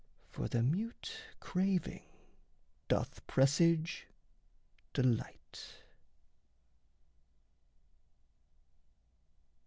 For the mute craving doth presage delight.